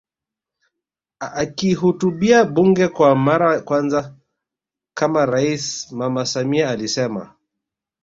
Akilihutubia bunge kwa mara kwanza kama rais Mama Samia alisema